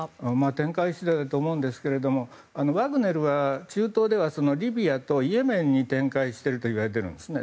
展開次第だと思うんですけどワグネルは中東ではリビアとイエメンに展開しているといわれているんですね。